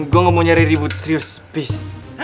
gue gak mau nyari ribut serius peace